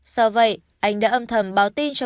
sau vậy anh đã âm thầm báo tin cho